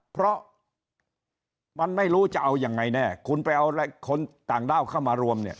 เพราะมันไม่รู้จะเอายังไงแน่คุณไปเอาคนต่างด้าวเข้ามารวมเนี่ย